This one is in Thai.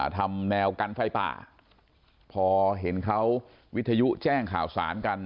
ทำแนวกันไฟป่าพอเห็นเขาวิทยุแจ้งข่าวสารกัน